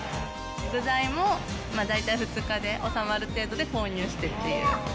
具材も大体２日で収まる程度で購入してっていう。